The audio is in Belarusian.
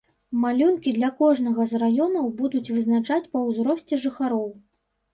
Малюнкі для кожнага з раёнаў будуць вызначаць па ўзросце жыхароў.